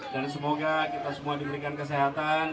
dan semoga kita semua diberikan kesehatan